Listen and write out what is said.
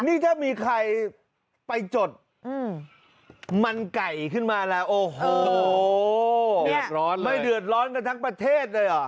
นี่ถ้ามีใครไปจดมันไก่ขึ้นมาแล้วโอ้โหไม่เดือดร้อนกับทั้งประเทศเลยหรอ